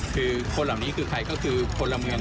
อยู่นะครับยังมีหลักนิติลักษณ์อยู่